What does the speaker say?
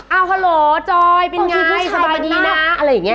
เอาฮัลโหลจอยเป็นพี่สบายดีนะอะไรอย่างนี้